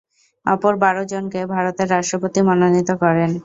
অপর বারো জনকে ভারতের রাষ্ট্রপতি মনোনীত করেন।